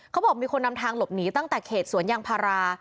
เขาบอกมีคนนำทางหลบหนีตั้งแต่เขตสวนยางพารา